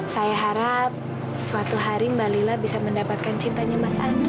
saya harap suatu hari malila bisa mendapatkan cintanya mas andre